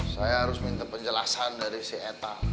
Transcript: saya harus minta penjelasan dari si eta